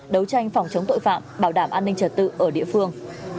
đấu tranh phòng chống tội phạm bảo đảm an ninh trật tự ở địa phương